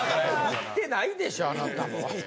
行ってないでしょあなたも。